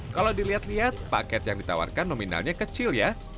kalau dilihat lihat paket yang ditawarkan nominalnya kecil ya